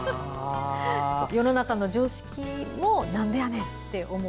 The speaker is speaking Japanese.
世の中の常識をなんでやねんって思う。